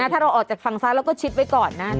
ถ้าเราออกจากฝั่งซ้ายเราก็ชิดไว้ก่อนนะ